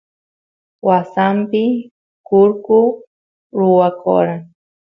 wasampi kurku rwakora